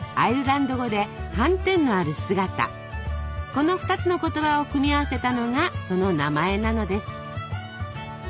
この２つの言葉を組み合わせたのがその名前なのです。